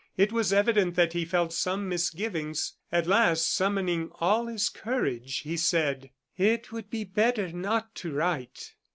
It was evident that he felt some misgivings. At last, summoning all his courage, he said: "It would be better not to write."